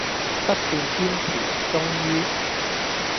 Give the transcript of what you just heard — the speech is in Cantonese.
不斷堅持，終於